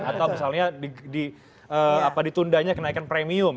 atau misalnya ditundanya kenaikan premium